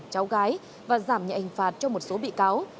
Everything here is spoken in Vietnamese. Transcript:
cháu gái và giảm nhạy ảnh phạt cho một số bị cáo